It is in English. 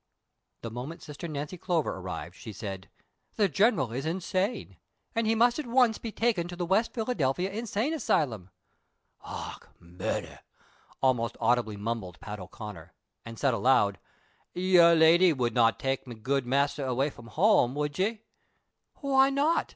The moment sister Nancy Clover arrived, she said :" The general is insane, and he must at once be taken to the ATest Philadelphia Insane Asylum." "Och ! murhder," almost audibly mumbled Pat O 'Con ner, and said aloud, " Yer lady would not tak me good mashter away from home, would ye V " ''Why not